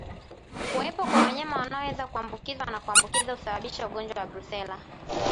Kuwepo kwa wanyama wanaoweza kuambukizwa na kuambukiza husababisha ugonjwa wa Brusela